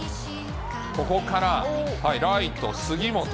ここからライト、杉本。